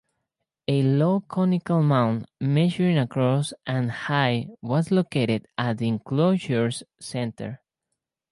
A low conical mound measuring across and high was located at the enclosures center.